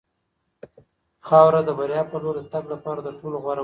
خاوره د بریا په لور د تګ لپاره تر ټولو غوره وسیله شوه.